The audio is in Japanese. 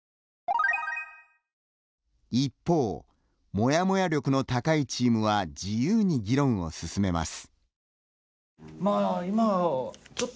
一方モヤモヤ力の高いチームは自由に議論を進めます。